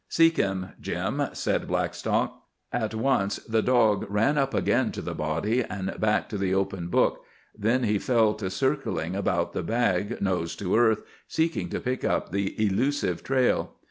"Seek him, Jim," said Blackstock. At once the dog ran up again to the body, and back to the open book. Then he fell to circling about the bag, nose to earth, seeking to pick up the elusive trail.